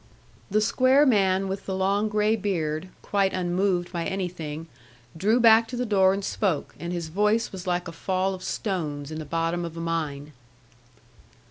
The square man with the long grey beard, quite unmoved by anything, drew back to the door and spoke, and his voice was like a fall of stones in the bottom of a mine.